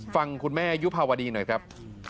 ฟังคุณแม่ยุภาวดีหน่อยครับ